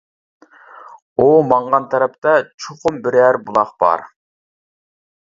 ئۇ ماڭغان تەرەپتە چوقۇم بىرەر بۇلاق بار.